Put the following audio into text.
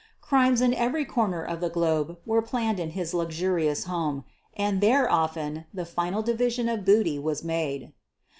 Crimes in every corner of the globe were planned in his luxurious home — and there, often, the final division of booty was made.